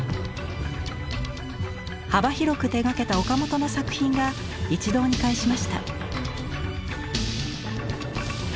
幅広く手がけた岡本の作品が一堂に会しました。